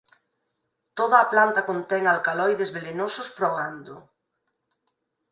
Toda a planta contén alcaloides velenosos para o gando.